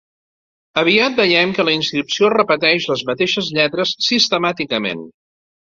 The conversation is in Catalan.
Aviat veiem que la inscripció repeteix les mateixes lletres sistemàticament.